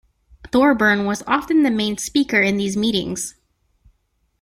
Thorburn was often the main speaker in these meetings.